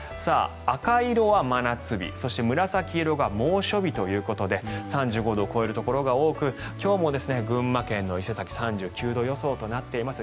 赤色は真夏日紫色が猛暑日ということで３５度を超えるところが多く今日も群馬県の伊勢崎３９度予想となっています。